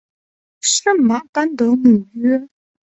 圣马丹德姆约。